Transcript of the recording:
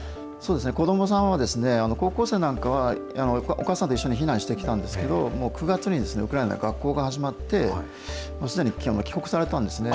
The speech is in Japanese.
子どもさんは、高校生なんかは、お母さんと一緒に避難してきたんですけれども、もう９月にウクライナで学校が始まって、すでに帰国されたんですね。